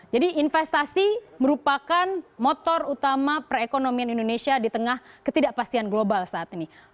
jadi investasi merupakan motor utama perekonomian indonesia di tengah ketidakpastian global saat ini